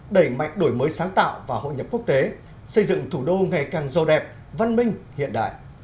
đẩy mạnh đổi mới sáng tạo và hội nhập quốc tế xây dựng thủ đô ngày càng dâu đẹp văn minh hiện đại